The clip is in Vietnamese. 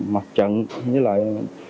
mặt trận với